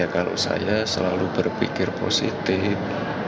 kalau saya selalu berpikir positif